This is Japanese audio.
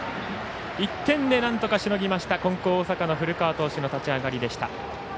１点でなんとかしのぎました金光大阪の古川投手の立ち上がりでした。